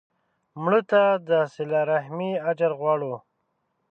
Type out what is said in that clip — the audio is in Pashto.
مړه ته د صله رحمي اجر غواړو